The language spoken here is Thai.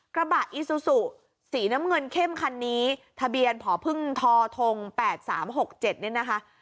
กระบะอีซูซูสีน้ำเงินเข้มคันนี้ทะเบียนผอพึ่งทท๘๓๖๗เนี่ยนะคะ